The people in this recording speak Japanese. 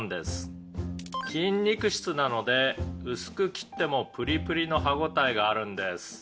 「筋肉質なので薄く切ってもプリプリの歯応えがあるんです」